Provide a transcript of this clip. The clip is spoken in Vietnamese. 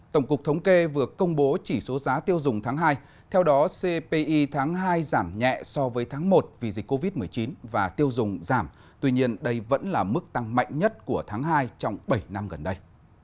tổng cục thống kê vừa công bố chỉ số giá tiêu dùng tháng hai theo đó cpi tháng hai giảm nhẹ so với tháng một vì dịch covid một mươi chín và tiêu dùng giảm tuy nhiên đây vẫn là mức tăng mạnh nhất của tháng hai trong bảy năm gần đây